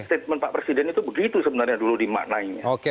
jadi statement pak presiden itu begitu sebenarnya dulu dimaknanya